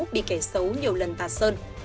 bị kẻ xấu nhiều lần tạt sơn